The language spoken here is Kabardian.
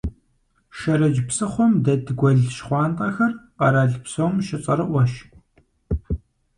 Шэрэдж псыхъуэм дэт Гуэл щхъуантӀэхэр къэрал псом щыцӀэрыӀуэщ.